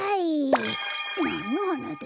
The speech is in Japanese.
なんのはなだ？